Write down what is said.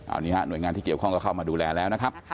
อันนี้ฮะหน่วยงานที่เกี่ยวข้องก็เข้ามาดูแลแล้วนะครับ